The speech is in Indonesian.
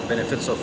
jadi ada peluang